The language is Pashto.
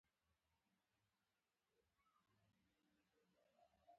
د خلکو ګټې ورته لومړیتوب لري.